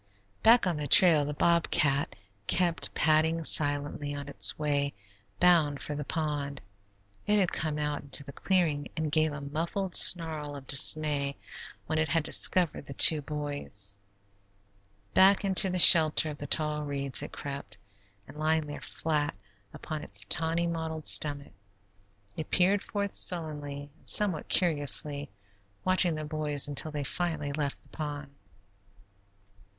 Back on the trail the bobcat kept padding silently on its way bound for the pond. It had come out into the clearing, and gave a muffled snarl of dismay when it had discovered the two boys. Back into the shelter of the tall reeds it crept, and lying there flat upon its tawny mottled stomach, it peered forth sullenly and somewhat curiously, watching the boys until they finally left the pond.